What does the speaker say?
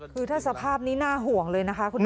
คือถ้าสภาพนี้น่าห่วงเลยนะคะคุณแม่